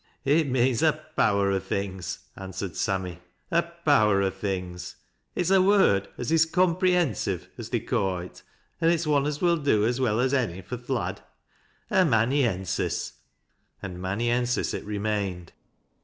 " It means a power o' things," answered Sammy ;" a ^wer o' things. It's a word as is comprehensive, as they ca' it, an' it's one as will do as well as any fur th' lad. A manny ensis I " and manny ensis it remained.